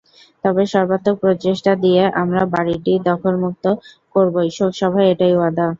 তবে সর্বাত্মক প্রচেষ্টা দিয়ে আমরা বাড়িটি দখলমুক্ত করবই, শোকসভায় এটাই ওয়াদা।